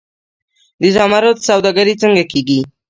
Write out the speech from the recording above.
د زمرد سوداګري څنګه کیږي؟